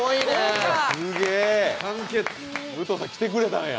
武藤さん、来てくれたんや。